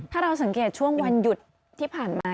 ถ้าเราสังเกตช่วงวันหยุดที่ผ่านมา